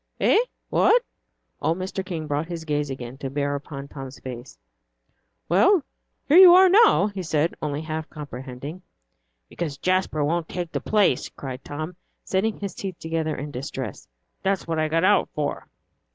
"Eh! what?" Old Mr. King brought his gaze again to bear upon Tom's face. "Well, you are here now," he said, only half comprehending. "Because Jasper won't take the place," cried Tom, setting his teeth together in distress. "That's what I got out for."